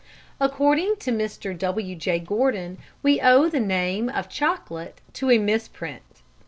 According to Mr. W.J. Gordon, we owe the name of chocolate to a misprint.